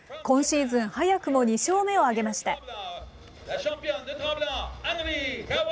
今シーズン早くも２勝目を挙げました。